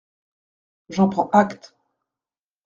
J’en prends acte.